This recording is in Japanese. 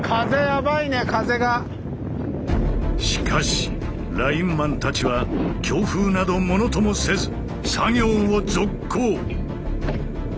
しかしラインマンたちは強風などものともせず作業を続行！